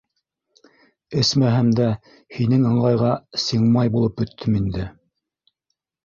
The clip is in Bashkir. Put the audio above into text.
Эсмәһәм дә һинең ыңғайға ҫиңмай булып бөттөм инде!